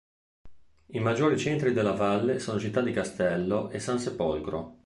I maggiori centri della valle sono Città di Castello e Sansepolcro.